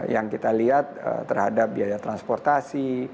yang kita lihat terhadap biaya transportasi